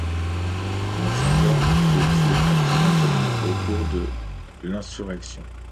Un gendarme est tué accidentellement au cours de l’insurrection.